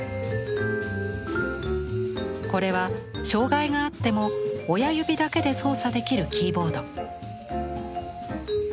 これは障害があっても親指だけで操作できるキーボード。